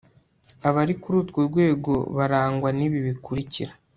abari kuri urwo rwego barangwa n'ibi bikurikira